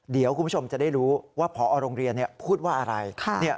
เดี๋ยวคุณผู้ชมจะได้รู้ว่าพอโรงเรียนพูดว่าอะไร